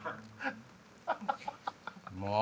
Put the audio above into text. もう！